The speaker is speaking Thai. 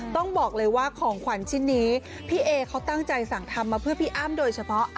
ต้องบอกเลยว่าของขวัญชิ้นนี้พี่เอเขาตั้งใจสั่งทำมาเพื่อพี่อ้ำโดยเฉพาะ